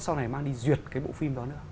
sau này mang đi duyệt cái bộ phim đó nữa